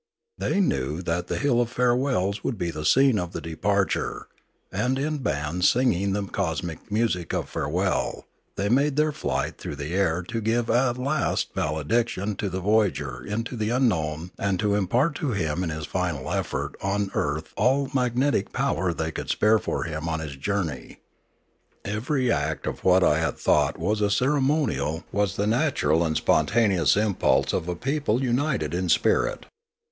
They knew that the hill of farewells would be the scene of the departure, and in bands singing the cosmic music of farewell they made their flight through the air to give a last valediction to the voyager into the unknown and to impart to him in his final effort on earth all the magnetic power they could spare for him on his journey. Every act of what I had thought was a ceremonial was the natural and spontaneous impulse of a people united in spirit.